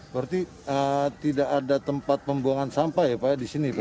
berarti tidak ada tempat pembuangan sampah ya pak ya di sini pak